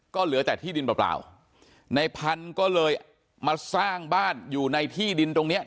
ก็เหลือแต่ที่ดินเปล่าในพันธุ์ก็เลยมาสร้างบ้านอยู่ในที่ดินตรงเนี้ย